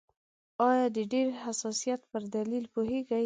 آیا د ډېر حساسیت پر دلیل پوهیږئ؟